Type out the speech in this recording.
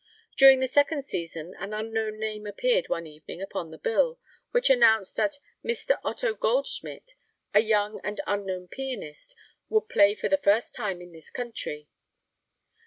During the second season an unknown name appeared one evening upon the bill, which announced that Mr. Otto Goldschmidt, a young and unknown pianist, would play for the first time in this country.